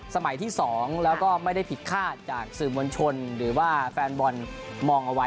สมัยที่๒แล้วก็ไม่ได้ผิดคาดจากสื่อมวลชนหรือว่าแฟนบอลมองเอาไว้